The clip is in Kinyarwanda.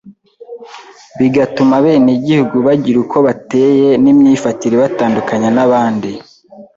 bigatuma abenegihugu bagira uko bateye n’imyifatire ibatandukanya n’abandi.